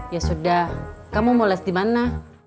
ya sudah kamu mau les di mana